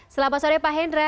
selamat sore pak hendra